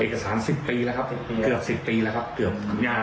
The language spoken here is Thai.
เอกสาร๑๐ปีแล้วครับเกือบ๑๐ปีแล้วครับ